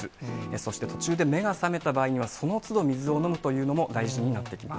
そして途中で目が覚めた場合には、そのつど水を飲むというのも大事になってきます。